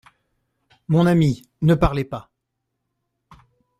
Mon ami, ne parlez pas.